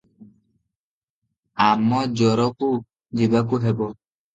ଆମଜୋରକୁ ଯିବାକୁ ହେବ ।